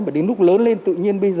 mà đến lúc lớn lên tự nhiên